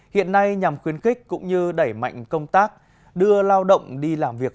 hiện nay nhằm khuyến khích cũng như đẩy mạnh công tác đưa lao động đi làm việc